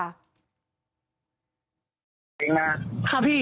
ครับพี่